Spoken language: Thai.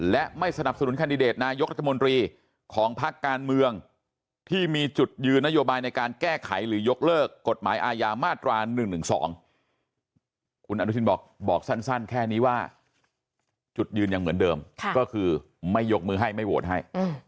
แต่ว่าจุดยืนอย่างเหมือนเดิมก็คือไม่ยกมือให้ไม่โหวตให้